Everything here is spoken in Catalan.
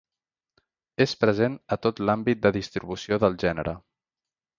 És present a tot l'àmbit de distribució del gènere.